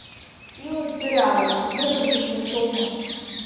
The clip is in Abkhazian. Илыздыраауеи, зныкыр дызбахьоума!